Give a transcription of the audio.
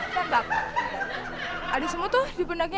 tembak ada semut tuh di pendeknya